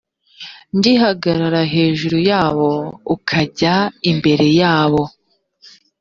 gihagarara hejuru yabo ukajya imbere yabo